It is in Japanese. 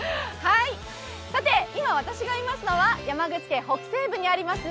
今、私がいますのは山口県北西部にあります